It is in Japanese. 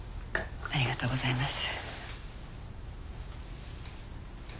ありがとうございます。